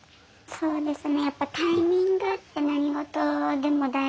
そうですね。